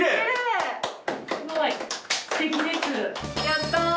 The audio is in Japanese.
やったー。